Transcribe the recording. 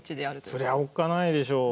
そりゃおっかないでしょう。